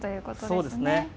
そうですね。